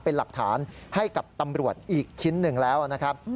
เป็นหลักฐานให้กับตำรวจอีกชิ้นหนึ่งแล้วนะครับ